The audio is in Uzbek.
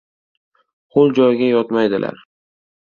• Ho‘l joyga yotmaydilar.